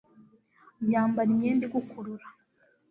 yambara imyenda igukurura